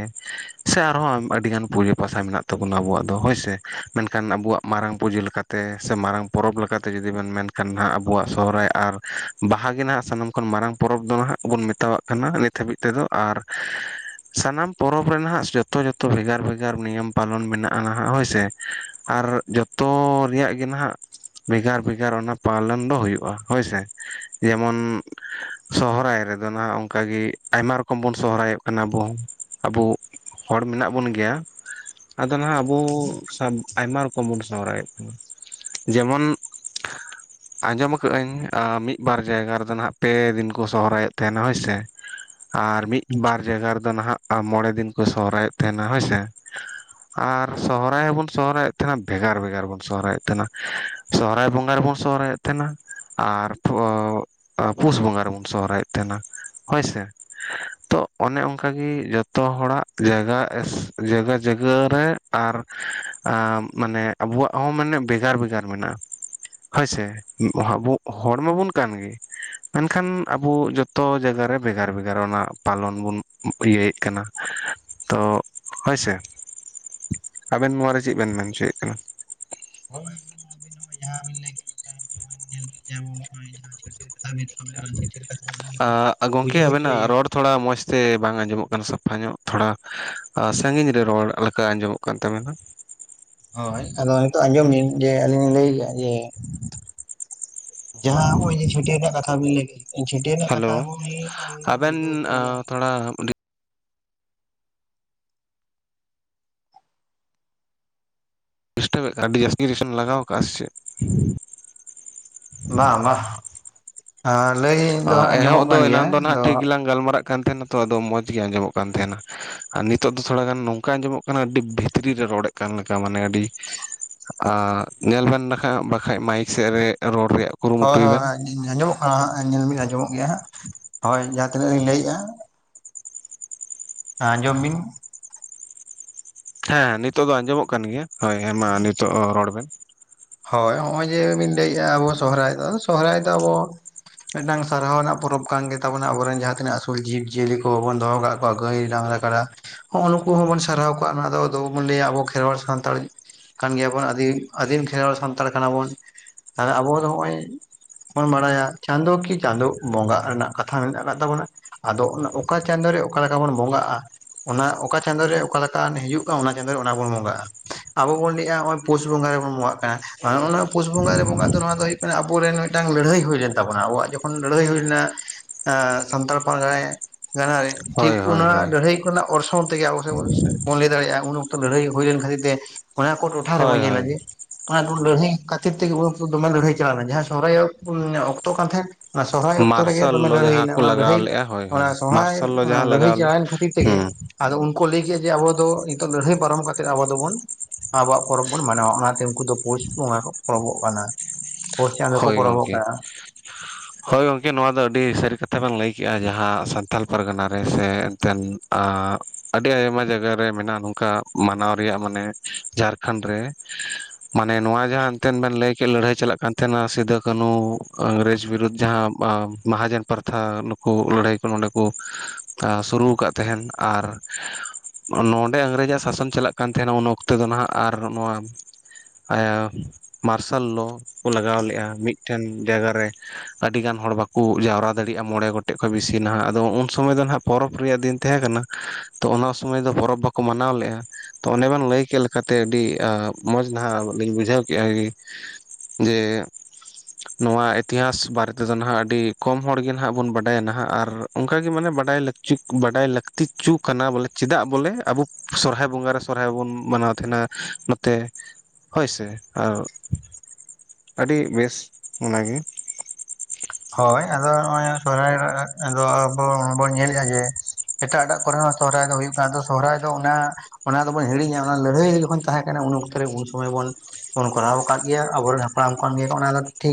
ᱥᱮ ᱟᱨᱦᱚᱸ ᱟᱹᱰᱤ ᱜᱟᱱ ᱯᱩᱡᱟᱹ ᱯᱟᱥᱟ ᱢᱮᱱᱟᱜ ᱟᱵᱣᱟᱜ ᱫᱚ ᱦᱳᱭᱥᱮ ᱢᱮᱱᱠᱷᱟᱱ ᱟᱵᱚᱣᱟᱜ ᱢᱟᱨᱟᱝ ᱯᱩᱡᱟᱹ ᱞᱮᱠᱟᱛᱮ ᱥᱮ ᱢᱟᱨᱟᱝ ᱯᱚᱨᱚᱵᱽ ᱞᱮᱠᱟᱛᱮ ᱡᱩᱫᱤ ᱵᱮᱱ ᱢᱮᱱ ᱱᱟ ᱟᱵᱚᱣᱟᱜ ᱥᱚᱦᱨᱟᱭ ᱟᱨ ᱵᱟᱦᱟ ᱜᱮ ᱱᱟᱦᱟᱜ ᱥᱟᱱᱟᱢ ᱠᱷᱚᱱ ᱢᱟᱨᱟᱝ ᱯᱚᱨᱚᱵᱽ ᱫᱚ ᱱᱟᱦᱟᱜ ᱵᱚᱱ ᱢᱮᱛᱟᱣᱟᱜ ᱠᱟᱱᱟ ᱱᱤᱛ ᱦᱟᱹᱵᱤᱡ ᱛᱮᱫᱚ ᱟᱨ ᱥᱟᱱᱟᱢ ᱯᱚᱨᱚᱵᱽ ᱨᱮ ᱱᱟᱦᱟᱜ ᱡᱚᱛᱚ ᱡᱚᱛᱚ ᱵᱷᱮᱜᱟᱨ ᱵᱷᱮᱜᱟᱨ ᱱᱤᱭᱚᱢ ᱯᱟᱞᱚᱱ ᱢᱮᱱᱟᱜᱼᱟ ᱱᱟᱦᱟᱜ ᱦᱳᱭ ᱥᱮ ᱟᱨ ᱡᱚᱛᱚ ᱨᱮᱭᱟᱜ ᱜᱮ ᱱᱟᱦᱟᱜ ᱵᱷᱮᱜᱟᱨ ᱵᱷᱮᱜᱟᱨ ᱚᱱᱟ ᱯᱨᱚᱵᱞᱮᱢ ᱫᱚ ᱦᱩᱭᱩᱜᱼᱟ ᱦᱳᱭᱥᱮ ᱡᱮᱢᱚᱱ ᱥᱚᱦᱨᱟᱭ ᱨᱮᱫᱚ ᱱᱟᱜ ᱚᱱᱠᱟ ᱜᱮ ᱟᱭᱢᱟ ᱨᱚᱠᱚᱢ ᱵᱚᱱ ᱥᱚᱦᱨᱟᱭᱚᱜ ᱠᱟᱱᱟ ᱵᱚᱱ ᱟᱵᱚ ᱦᱚᱲ ᱢᱮᱱᱟᱜ ᱵᱚᱱ ᱜᱮᱭᱟ ᱟᱫᱚ ᱱᱟᱦᱟᱜ ᱟᱵᱚ ᱟᱭᱢᱟ ᱨᱚᱠᱚᱢ ᱵᱚᱱ ᱥᱚᱦᱨᱟᱭᱚᱫ ᱠᱟᱱᱟ ᱡᱮᱢᱚᱱ ᱟᱸᱡᱚᱢ ᱟᱠᱟᱧ ᱟ ᱢᱤᱫ ᱵᱟᱨ ᱡᱟᱭᱜᱟ ᱨᱮᱫᱚ ᱱᱟᱜ ᱯᱮ ᱫᱤᱱ ᱠᱚ ᱥᱚᱦᱨᱟᱭᱚᱜ ᱛᱟᱦᱮᱱᱟ ᱦᱳᱭ ᱥᱮ ᱟᱨ ᱢᱤᱫ ᱵᱟᱨ ᱡᱟᱭᱜᱟ ᱨᱮᱫᱚ ᱱᱟᱦᱟᱜ ᱢᱚᱬᱮ ᱫᱤᱱ ᱠᱚ ᱥᱚᱦᱨᱟᱭᱚᱫ ᱛᱟᱸᱦᱮᱱᱟ ᱦᱳᱭᱥᱮ ᱟᱨ ᱥᱚᱦᱦᱟᱭ ᱦᱚᱸᱵᱚᱱ ᱥᱚᱦᱨᱟᱭᱮᱫ ᱛᱟᱦᱮᱱᱟ ᱵᱷᱮᱜᱟᱨ ᱵᱷᱮᱜᱟᱨ ᱵᱚᱱ ᱥᱚᱦᱨᱟᱭᱮᱫ ᱛᱟᱦᱮᱱᱟ ᱥᱚᱦᱨᱟᱭ ᱵᱚᱸᱜᱟ ᱨᱮᱵᱚᱱ ᱥᱚᱦᱨᱟᱭᱮᱫ ᱛᱟᱦᱮᱱᱟ ᱟᱨ ᱯᱩᱥ ᱵᱚᱸᱜᱟ ᱨᱮᱵᱚᱱ ᱥᱚᱦᱨᱟᱭᱮᱫ ᱛᱟᱸᱦᱮᱱᱟ ᱦᱳᱭ ᱥᱮ ᱛᱚ ᱚᱱᱮ ᱚᱱᱠᱟᱜᱮ ᱡᱚᱛᱚ ᱦᱚᱲᱟᱜ ᱡᱟᱭᱜᱟ ᱡᱟᱭᱜᱟ ᱡᱟᱭᱜᱟ ᱨᱮ ᱟᱨ ᱢᱟᱱᱮ ᱟᱵᱚᱣᱟᱜ ᱦᱚᱸ ᱢᱟᱱᱮ ᱵᱷᱮᱜᱟᱨ ᱵᱷᱮᱜᱟᱨ ᱢᱮᱱᱟᱜᱼᱟ ᱦᱳᱭ ᱥᱮ ᱟᱵᱚ ᱦᱚᱲ ᱢᱟᱵᱚᱱ ᱠᱟᱱ ᱜᱮ ᱢᱮᱱᱠᱷᱟᱱ ᱟᱵᱚ ᱡᱚᱛᱚ ᱡᱟᱭᱜᱟᱮ ᱵᱷᱮᱜᱟᱨ ᱵᱷᱮᱜᱟᱨ ᱚᱱᱟ ᱯᱟᱞᱚᱱ ᱵᱚᱱ ᱤᱭᱟᱹᱭᱮᱫ ᱠᱟᱱᱟ ᱛᱚ ᱦᱳᱭ ᱥᱮ ᱟᱵᱮᱱ ᱱᱚᱣᱟ ᱨᱮ ᱪᱮᱫ ᱵᱮᱱ ᱢᱮᱱ ᱦᱚᱪᱚᱭᱮᱫ ᱠᱟᱱᱟ ᱦᱳᱭ ᱟᱵᱤᱱ ᱦᱚᱸᱜ ᱡᱟᱦᱟᱸᱤᱱ ᱞᱟᱹᱭ ᱠᱮᱫ [unintelligible] ᱟ [unintelligible] ᱜᱚᱝᱠᱮ ᱵᱩᱡᱷᱟᱹᱣ ᱟᱵᱮᱱᱟᱜ ᱦᱚᱪᱚᱭᱮᱭᱟ ᱨᱚᱲ ᱛᱷᱚᱲᱟ ᱢᱚᱸᱡᱽ ᱛᱮ ᱵᱟᱝ ᱟᱸᱡᱚᱢᱚᱜ ᱠᱟᱱᱟ ᱥᱟᱯᱷᱟ ᱧᱚᱜ ᱛᱷᱚᱲᱟ ᱥᱟᱺᱜᱤᱧ ᱨᱮ ᱨᱚᱲ ᱞᱮᱠᱟ ᱟᱸᱡᱚᱢᱚᱜ ᱠᱟᱱ ᱛᱟᱵᱮᱱᱟ ᱦᱳᱭ ᱟᱫᱚ ᱱᱤᱛᱳᱜ ᱟᱸᱡᱚᱢ ᱵᱤᱱ ᱡᱮ ᱟᱹᱞᱤᱧ ᱞᱤᱧ ᱞᱟᱹᱭ ᱮᱫᱟ ᱡᱮ ᱡᱟᱦᱟᱸ ᱚᱭ ᱡᱮ ᱪᱷᱟᱹᱴᱭᱟᱹᱨ ᱨᱮᱭᱟᱜ ᱠᱟᱛᱷᱟ ᱵᱤᱱ ᱞᱟᱹᱭ ᱠᱮᱫ ᱪᱷᱟᱹᱴᱭᱟᱹᱨ ᱨᱮᱱᱟᱜ ᱠᱟᱛᱷᱟ ᱦᱮᱞᱳ ᱩᱱᱤ ᱟᱵᱚᱭ ᱵᱚᱱ ᱵᱩᱡᱷᱟᱹᱣᱪᱮᱭᱟ ᱛᱚᱲᱟ ᱰᱤᱥᱴᱚᱵ [unintelligible] ᱪᱮᱫ ᱵᱟᱝ ᱵᱟᱝ ᱞᱟᱹᱭ ᱫᱚ ᱦᱟᱸᱜ ᱟᱸᱡᱚᱢᱚᱜ ᱮᱦᱚᱵ ᱠᱟᱱ ᱫᱚ ᱜᱮᱭᱟ ᱮᱱᱟᱱ ᱫᱚ ᱱᱟᱦᱟᱜ ᱟᱫᱚ ᱴᱷᱤᱠ ᱜᱮᱞᱟᱝ ᱜᱟᱞᱢᱟᱨᱟᱜ ᱠᱟᱱ ᱛᱟᱦᱮᱱᱟ ᱛᱚ ᱟᱫᱚ ᱢᱚᱸᱡᱽ ᱜᱮ ᱟᱸᱡᱚᱢᱚᱜ ᱠᱟᱱ ᱛᱟᱦᱮᱱᱟ ᱟᱨ ᱱᱤᱛᱚᱜ ᱫᱚ ᱛᱷᱚᱲᱟ ᱜᱟᱱ ᱱᱚᱝᱠᱟ ᱟᱸᱡᱚᱢᱚᱜ ᱠᱟᱱᱟ ᱟᱹᱰᱤ ᱵᱷᱤᱛᱨᱤ ᱨᱮ ᱨᱚᱲᱮᱫ ᱠᱟᱱ ᱠᱟᱱ ᱞᱮᱠᱟ ᱢᱟᱱᱮ ᱟᱹᱰᱤ ᱟᱨ ᱧᱮᱞ ᱵᱮᱱ ᱞᱮᱠᱷᱟᱱᱡ ᱵᱟᱠᱷᱟᱡ ᱢᱟᱭᱤᱠ ᱥᱮᱮᱫ ᱨᱮ ᱨᱚᱲ ᱨᱮᱭᱟᱜ ᱦᱳᱭ ᱠᱩᱨᱩᱢᱩᱴᱩᱭ ᱦᱳᱭ ᱵᱮᱱ ᱟᱸᱡᱚᱢᱚᱜ ᱠᱟᱱᱟ ᱦᱟᱸᱜ ᱧᱮᱞ ᱟᱸᱡᱚᱢᱚᱜ ᱜᱮᱭᱟ ᱦᱟᱸᱜ ᱦᱳᱭ ᱡᱟᱦᱟᱸ ᱛᱤᱱᱟᱹᱜ ᱞᱤᱧ ᱞᱟᱹᱭᱮᱜᱼᱟ ᱟᱸᱡᱚᱢ ᱵᱤᱱ ᱦᱮᱸᱮ ᱱᱤᱛᱚᱜᱜ ᱫᱚ ᱟᱸᱡᱚᱢᱚᱜ ᱠᱟᱱ ᱜᱮᱭᱟ ᱦᱳᱭ ᱦᱮᱸ ᱢᱟ ᱱᱤᱛᱚᱜ ᱨᱚᱲ ᱵᱮᱱ ᱦᱳᱭ ᱱᱚᱜᱼᱚᱭ ᱡᱮ ᱵᱤᱱ ᱞᱮᱭᱮᱫᱼᱟ ᱟᱵᱚ ᱥᱚᱦᱨᱟᱭ ᱫᱚ ᱥᱚᱦᱨᱟᱭ ᱫᱚ ᱟᱵᱚ ᱢᱤᱫᱴᱟᱝ ᱥᱟᱨᱦᱟᱣ ᱨᱮᱱᱟᱜ ᱯᱚᱨᱚᱵᱽ ᱠᱟᱱ ᱢᱮᱛ ᱴᱟᱝ ᱥᱟᱨᱦᱟᱣ ᱨᱮᱱᱟ ᱯᱨᱳᱵ ᱠᱟᱱ ᱜᱮ ᱛᱟᱵᱚᱱᱟ ᱟᱵᱚᱨᱮᱱ ᱡᱟᱦᱟᱸ ᱛᱤᱱᱟᱹᱜ ᱟᱥᱩᱞ ᱡᱤᱵᱽ ᱡᱤᱭᱟᱹᱞᱤ ᱠᱚᱵᱚᱱ ᱫᱚᱦ ᱠᱟᱜᱣᱟ ᱦᱜᱟᱹᱭ ᱰᱟᱝᱨᱟ ᱠᱟᱰᱟ ᱦᱚᱜ ᱱᱩᱠᱩ ᱦᱚᱸᱵᱚᱱ ᱥᱟᱨᱦᱟᱣ ᱠᱚᱣᱟᱼᱟ ᱚᱱᱟ ᱫᱚ ᱟᱫᱚᱵᱚᱱ ᱞᱟᱹᱭᱟ ᱟᱵᱚ ᱠᱷᱮᱨᱣᱟᱞ ᱥᱟᱱᱛᱟᱲ ᱠᱟᱱ ᱜᱮᱭᱟᱵᱚᱱ ᱟᱹᱫᱤ ᱟᱹᱫᱤᱢ ᱠᱷᱮᱨᱣᱟᱲ ᱥᱟᱱᱛᱟᱲ ᱠᱟᱱᱟ ᱵᱚᱱ ᱛᱟᱦᱞᱮ ᱟᱵᱚ ᱫᱚ ᱱᱚᱜᱼᱚᱭ ᱵᱚᱱ ᱵᱟᱲᱟᱭᱟ ᱪᱟᱸᱫᱳ ᱠᱤ ᱪᱟᱸᱫᱳ ᱵᱚᱸᱜᱟᱜ ᱨᱮᱱᱟᱜ ᱠᱟᱛᱷᱟ ᱢᱮᱱᱟᱜ ᱟᱠᱟᱫ ᱛᱟᱵᱚᱱᱟ᱾ ᱟᱫᱚ ᱚᱱᱟ ᱚᱠᱟ ᱪᱟᱸᱫᱳ ᱨᱮ ᱚᱠᱟᱮᱠᱟ ᱵᱚᱱ ᱵᱚᱸᱜᱟᱜᱼᱟ? ᱚᱱᱟ ᱚᱠᱟ ᱪᱟᱸᱫᱳ ᱨᱮ ᱚᱠᱟ ᱞᱮᱠᱟᱱ ᱦᱤᱡᱩᱜ ᱠᱟᱱ ᱚᱱᱟ ᱪᱟᱸᱫᱳ ᱨᱮ ᱚᱱᱟ ᱵᱩᱱ ᱵᱚᱸᱜᱟᱜᱼᱟ᱾ ᱟᱵᱚ ᱵᱚᱱ ᱞᱟᱹᱭᱮᱜᱼᱟ ᱱᱚᱜᱼᱚᱭ ᱯᱩᱥ ᱵᱚᱸᱜᱟ ᱨᱮᱵᱚᱱ ᱢᱚᱸᱜᱟᱜ ᱱᱚᱜ ᱱᱚᱣᱟ ᱯᱩᱥ ᱵᱚᱸᱜᱟ ᱨᱮ ᱵᱚᱸᱜᱟᱜ ᱫᱚ ᱱᱚᱣᱟ ᱫᱚ ᱦᱩᱭᱩᱜ ᱠᱟᱱᱟ ᱟᱵᱚᱨᱮᱱ ᱢᱤᱫᱴᱟᱝ ᱞᱟᱹᱲᱦᱟᱹᱭ ᱦᱩᱭ ᱞᱮᱱ ᱛᱟᱵᱚᱱᱟ ᱟᱵᱚᱣᱟᱜ ᱡᱚ ᱞᱟᱹᱬᱦᱟᱹᱭ ᱦᱩᱭ ᱞᱮᱱᱟ ᱮᱸ ᱥᱟᱱᱛᱟᱲ ᱯᱟᱨᱜᱟᱱᱟ ᱡᱟᱦᱟᱸᱭ ᱴᱷᱤᱠ ᱦᱳᱭ ᱦᱳᱭ ᱚᱱᱟ ᱦᱳᱭ ᱞᱟᱹᱲᱦᱟᱹᱭ ᱠᱚᱱᱟᱜ ᱚᱨᱥᱚᱝ ᱛᱮᱜᱮ ᱟᱵᱚ [unintelligible] ᱵᱚᱱ ᱞᱟᱹᱭ ᱫᱟᱲᱮᱭᱟᱜᱼᱟ ᱩᱱ ᱚᱠᱛᱚ ᱞᱟᱹᱲᱦᱟᱹᱭ ᱦᱩᱭ ᱞᱮᱱ ᱠᱷᱟᱹᱛᱤᱨ ᱛᱮ ᱚᱱᱟ ᱠᱚ ᱴᱚᱴᱷᱟ ᱨᱮᱵᱚᱱ ᱦᱳᱭ ᱧᱮᱞᱟ ᱦᱳᱭ ᱡᱮ ᱚᱱᱟ ᱞᱟᱹᱲᱦᱟᱹᱭ ᱠᱷᱟᱹᱛᱤᱨ ᱛᱮᱜᱮ ᱩᱱ ᱫᱚᱢᱮ ᱞᱟᱹᱲᱦᱟᱹᱭ ᱪᱟᱞᱟᱣᱱᱟ ᱡᱟᱦᱟᱸ ᱥᱚᱨᱦᱟᱭᱚᱜ ᱚᱠᱛᱚ ᱠᱟᱱ ᱛᱟᱦᱮᱸᱫ ᱚᱱᱟ ᱥᱚᱨᱚᱦᱦᱟᱭ ᱚᱠᱛᱚ ᱨᱮᱜᱮ ᱢᱟᱨᱥᱟᱞ ᱫᱚᱢᱮ ᱞᱚ ᱡᱟᱦᱟᱸ ᱞᱟᱹᱲᱦᱟᱹᱭᱮᱱᱟ ᱠᱚ ᱚᱱᱟ ᱞᱟᱜᱟᱣ ᱞᱟᱹᱲᱦᱟᱹᱭ ᱞᱮᱫᱼᱟ ᱦᱳᱭ ᱚᱱᱟ ᱦᱳᱭ ᱥᱚᱨᱦᱟᱭ ᱢᱟᱨᱥᱟᱞ ᱞᱚ ᱡᱟᱦᱟᱸ ᱞᱟᱹᱲᱦᱟᱹᱭ ᱞᱟᱜᱟᱣ ᱞᱮᱫ ᱪᱟᱞᱟᱣᱮᱱ ᱠᱷᱟᱹᱛᱤᱨ ᱛᱮᱜᱮ ᱦᱩᱸ ᱟᱫᱚ ᱩᱱᱠᱩ ᱞᱟᱹᱭ ᱠᱮᱫ ᱡᱮ ᱟᱵᱚ ᱫᱚ ᱱᱤᱛ ᱞᱟᱹᱲᱦᱟᱹᱭ ᱯᱟᱨᱚᱢ ᱠᱟᱛᱮᱜ ᱟᱵᱚ ᱫᱚᱵᱚᱱ ᱟᱵᱚᱣᱟᱜ ᱯᱚᱨᱚᱵᱽ ᱵᱚᱱ ᱢᱟᱱᱟᱣᱟ ᱚᱱᱟᱛᱮ ᱩᱱᱠᱩ ᱫᱚ ᱯᱚᱥᱪ ᱵᱚᱸᱜᱟ ᱠᱚ ᱯᱚᱨᱚᱵᱚᱜ ᱠᱟᱱᱟ ᱯᱩᱥ ᱪᱟᱸᱫᱳ ᱠᱚ ᱦᱳᱭ ᱯᱚᱨᱚᱵᱚᱜ ᱜᱚᱢᱠᱮ ᱠᱟᱱᱟ [inaudible] ᱦᱳᱭ ᱜᱚᱝᱠᱮ ᱱᱚᱣᱟ ᱫᱚ ᱟᱹᱰᱤ ᱥᱟᱹᱨᱤ ᱠᱟᱛᱷᱟ ᱵᱮᱱ ᱞᱟᱹᱭ ᱠᱮᱫᱮᱜᱼᱟ ᱡᱟᱦᱟᱸ ᱥᱟᱱᱛᱟᱲ ᱯᱟᱨᱜᱟᱱᱟ ᱨᱮ ᱥᱮ ᱮᱱᱛᱮᱫ ᱟᱹᱰᱤ ᱟᱭᱢᱟ ᱡᱟᱭᱜᱟ ᱨᱮ ᱢᱮᱱᱟᱜᱼᱟ ᱱᱚᱝᱠᱟ ᱢᱟᱱᱟᱣ ᱨᱮᱭᱟᱜ ᱢᱟᱱᱮ ᱡᱷᱟᱨᱠᱷᱚᱸᱰ ᱨᱮ ᱢᱟᱱᱮ ᱱᱚᱣᱟ ᱡᱟᱦᱟᱸ ᱮᱱᱛᱮᱫ ᱵᱮᱱ ᱞᱟᱹᱭ ᱠᱮᱫ ᱞᱟᱹᱲᱦᱟᱹᱭ ᱪᱟᱞᱟᱜ ᱠᱟᱱ ᱴᱷᱮᱱ ᱢᱟ ᱥᱤᱫᱩ ᱠᱟᱹᱱᱦᱩ ᱤᱝᱨᱮᱡᱽ ᱵᱤᱨᱩᱫᱽ ᱡᱟᱦᱟᱸ ᱢᱚᱦᱟᱡᱚᱱ ᱯᱨᱛᱷᱟ ᱞᱟᱹᱲᱦᱟᱹᱭ ᱠᱚ ᱱᱚᱸᱰᱮ ᱠᱚ ᱥᱩᱨᱩ ᱟᱠᱟᱫ ᱛᱟᱦᱮᱱ ᱟᱨ ᱱᱚᱰᱮ ᱤᱝᱨᱮᱡᱽ ᱟᱜ ᱥᱟᱥᱚᱱ ᱪᱟᱞᱟᱜ ᱠᱟᱱ ᱛᱟᱦᱮᱱᱟ ᱩᱱ ᱚᱠᱛᱮᱚ ᱫᱚ ᱱᱟᱦᱜ ᱟᱨ ᱱᱚᱣᱟ ᱟᱭᱟ ᱢᱟᱨᱥᱟᱞ ᱞᱚ ᱞᱟᱜᱟᱣ ᱞᱮᱫᱼᱟ ᱢᱤᱫᱴᱮᱱ ᱡᱟᱭᱜᱟ ᱨᱮ ᱟᱹᱰᱤ ᱜᱟᱱ ᱦᱚᱲ ᱵᱟᱠᱚ ᱡᱟᱣᱨᱟ ᱫᱟᱲᱮᱭᱟᱜᱼᱟ ᱢᱚᱬᱮ ᱜᱚᱴ ᱴᱮᱡ ᱠᱷᱚ ᱵᱤᱥᱤ ᱱᱟᱦᱟᱜ ᱟᱫᱚ ᱩᱱ ᱥᱚᱢᱚᱭ ᱫᱚ ᱱᱟᱦᱟᱜ ᱯᱚᱨᱚᱵᱽ ᱨᱮᱭᱟᱜ ᱫᱤᱱ ᱛᱟᱦᱮᱸ ᱠᱟᱱᱟ ᱛᱚ ᱚᱱᱟ ᱥᱚᱢᱚᱭ ᱫᱚ ᱯᱚᱨᱚᱵᱽ ᱵᱟᱠ ᱠᱚ ᱢᱟᱱᱟᱣ ᱞᱮᱫᱼᱟ ᱛᱚ ᱚᱱᱮ ᱵᱮᱱ ᱞᱟᱹᱭ ᱠᱮᱫ ᱞᱮᱠᱟᱛᱮ ᱟᱹᱰᱤ ᱢᱚᱸᱡᱽ ᱱᱟᱦᱟᱜ ᱞᱤᱧ ᱵᱩᱡᱷᱟᱹᱣ ᱠᱮᱫᱼᱟ᱾ ᱡᱮ ᱱᱚᱣᱟ ᱤᱛᱤᱦᱟᱥ ᱵᱟᱨᱮ ᱛᱮᱫᱚ ᱱᱟᱦᱟᱜ ᱟᱹᱰᱤ ᱠᱚᱢ ᱦᱚᱲ ᱜᱮ ᱱᱟᱜ ᱵᱚᱱ ᱵᱟᱰᱟᱭᱟ ᱱᱟᱦᱟᱜ ᱟᱨ ᱚᱱᱠᱟ ᱜᱮ ᱢᱟᱱᱮ ᱵᱟᱰᱟᱭ ᱞᱟᱹᱠ [unintelligible] ᱪᱩᱠ [unintelligible] ᱛᱤᱪᱚ [unintelligible] ᱠᱟᱱᱟ ᱵᱚᱞᱮ ᱪᱮᱫᱟᱜ ᱵᱚᱞᱮ ᱟᱵᱩ ᱥᱚᱨᱦᱟᱭ ᱵᱚᱸᱜᱟᱨᱮ ᱥᱚᱨᱦᱟᱭ ᱵᱚᱱ ᱢᱟᱱᱟᱣ ᱛᱟᱦᱮᱸᱟᱸᱦᱮᱱᱟ ᱱᱚᱛᱮ ᱦᱳᱭ ᱥᱮ ᱟᱨ ᱟᱹᱰᱤ ᱵᱮᱥ ᱚᱱᱟ ᱜᱮ ᱦᱳᱭ ᱟᱫᱚ ᱱᱚᱜᱚᱭ ᱥᱚᱦᱟᱭ ᱨᱮ ᱟᱫᱚ ᱟᱵᱚ ᱵᱚᱱ ᱧᱮᱞᱮᱫᱼᱟ ᱡᱮ ᱮᱴᱟᱜ ᱮᱴᱟᱜ ᱠᱚᱨᱮ ᱦᱚᱸ ᱥᱚᱦᱨᱟᱭ ᱫᱚ ᱦᱩᱭᱩᱜ ᱠᱟᱱ ᱫᱚ ᱥᱚᱦᱨᱟᱭ ᱫᱚ ᱚᱱᱟ ᱚᱱᱟ ᱫᱚᱵᱚᱱ ᱦᱤᱲᱤᱧᱟ ᱚᱱᱟ ᱞᱟᱹᱲᱦᱟᱹᱭ ᱡᱚᱠᱷᱚᱱ ᱛᱟᱦᱮᱸ ᱠᱟᱱᱟ ᱩᱱ ᱚᱠᱛᱚ ᱩᱱ ᱥᱚᱢᱚᱭ ᱵᱚᱱ ᱵᱚᱱ ᱠᱚᱨᱟᱣ ᱟᱠᱟᱫ ᱜᱮᱭᱟ ᱟᱵᱚᱨᱮᱱ ᱦᱟᱯᱲᱟᱢ ᱠᱚ ᱜᱮ ᱚᱱᱟ ᱫᱚ ᱴᱷᱤᱠ